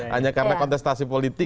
hanya karena kontestasi politik